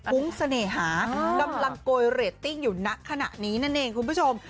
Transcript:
ุ้งเสน่หากำลังโกยเรตติ้งอยู่ณขณะนี้นั่นเองคุณผู้ชม